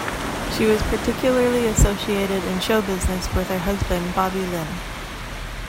She was particularly associated in show business with her husband Bobby Limb.